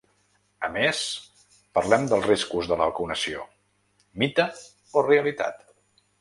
A més, parlem dels riscos de la vacunació: mite o realitat?